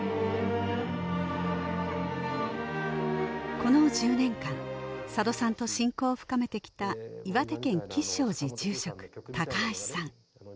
この１０年間佐渡さんと親交を深めてきた岩手県吉祥寺住職・橋さん